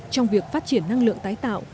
trong việc phát triển năng lượng tái tạo